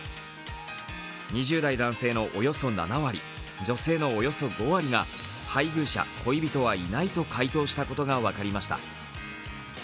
２０代男性のおよそ７割、女性のおよそ５割が配偶者・恋人はいないと回答したことが分かりました。